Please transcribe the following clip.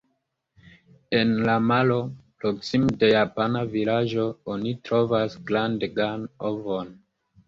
En la maro, proksime de japana vilaĝo oni trovas grandegan ovon.